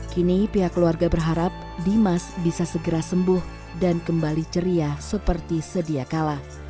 kini pihak keluarga berharap dimas bisa segera sembuh dan kembali ceria seperti sedia kala